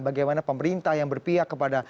bagaimana pemerintah yang berpihak kepada